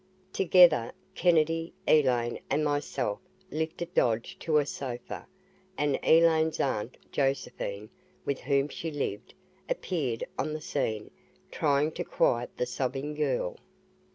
Together, Kennedy, Elaine and myself lifted Dodge to a sofa and Elaine's aunt, Josephine, with whom she lived, appeared on the scene, trying to quiet the sobbing girl.